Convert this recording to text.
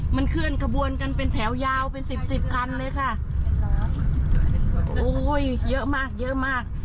มันเคลื่อนขบวนกันเป็นแถวยาวเป็นสิบสิบคันเลยค่ะโอ้ยเยอะมากเยอะมาก